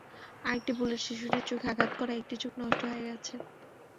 আরেকটি বুলেট শিশুটির চোখে আঘাত করায় একটি চোখ নষ্ট হয়ে গেছে।